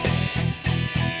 saya yang menang